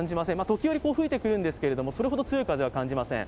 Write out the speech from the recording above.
時折、吹いてくるんですけれどもそれほど強い風は感じません。